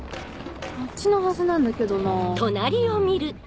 こっちのはずなんだけどなぁ。